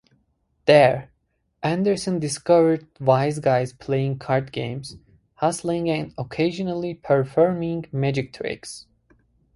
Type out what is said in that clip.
There, Anderson discovered wise guys playing card games, hustling and occasionally performing magic tricks.